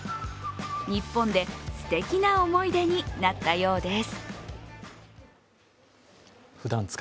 日本ですてきな思い出になったようです。